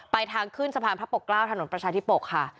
ทางขึ้นสะพานพระปกเกล้าถนนประชาธิปกค่ะ